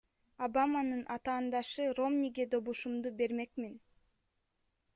Обаманын атаандашы — Ромниге добушумду бермекмин.